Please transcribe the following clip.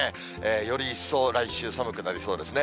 より一層、来週寒くなりそうですね。